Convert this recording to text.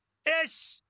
よし！